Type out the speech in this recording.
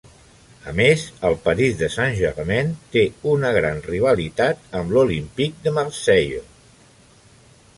A més, el París de Saint Germain té una gran rivalitat amb l'Olympique de Marseille.